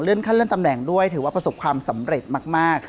ขั้นเลื่อนตำแหน่งด้วยถือว่าประสบความสำเร็จมาก